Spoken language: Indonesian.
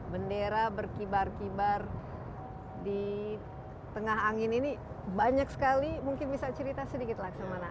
bendera berkibar kibar di tengah angin ini banyak sekali mungkin bisa cerita sedikit laksamana